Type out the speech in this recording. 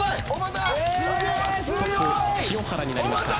トップ清原になりました。